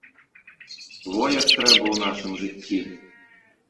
Во як трэба ў нашым жыцці!